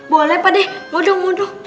boleh pak d lho dong